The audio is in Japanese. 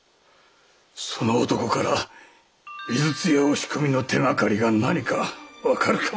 その男から井筒屋押し込みの手がかりが何か分かるかもしれねえな。